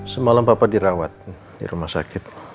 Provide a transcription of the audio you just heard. semalam bapak dirawat di rumah sakit